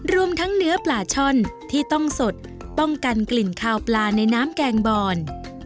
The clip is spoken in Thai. รวมทั้งเนื้อปลาช่อนที่ต้องสดป้องกันกลิ่นคาวปลาในน้ำแกงบอน